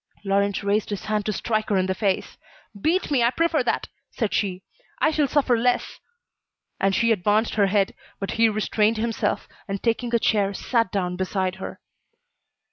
Laurent raised his hand to strike her in the face. "Beat me, I prefer that," said she, "I shall suffer less." And she advanced her head. But he restrained himself, and taking a chair, sat down beside her.